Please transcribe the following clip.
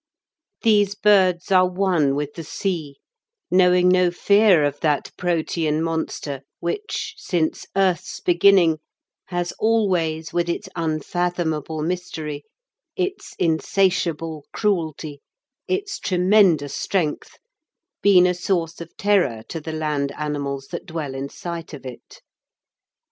These birds are one with the sea, knowing no fear of that protean monster which, since earth's beginning, has always, with its unfathomable mystery, its insatiable cruelty, its tremendous strength, been a source of terror to the land animals that dwell in sight of it.